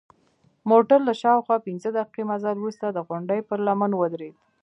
موټر له شاوخوا پنځه دقیقې مزل وروسته د غونډۍ پر لمنه ودرید.